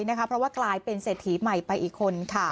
เพราะว่ากลายเป็นเศรษฐีใหม่ไปอีกคน